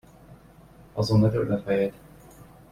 Azon ne törd a fejed!